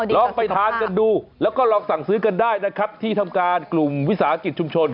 ลองไปทานกันดูแล้วก็ลองสั่งซื้อกันได้นะครับที่ทำการกลุ่มวิสาหกิจชุมชน